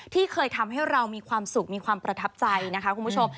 ที่เคยทำให้เรามีความสุขมีความประทับใจนะคะคุณผู้ชม